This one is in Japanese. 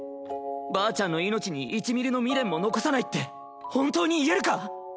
ばあちゃんの命に１ミリの未練も残さないって本当に言えるか？